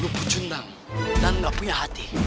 lu pucundang dan gak punya hati